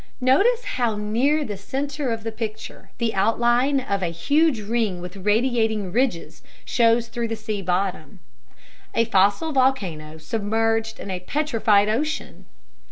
Notice how near the center of the picture the outline of a huge ring with radiating ridges shows through the sea bottom; a fossil volcano submerged in a petrified ocean!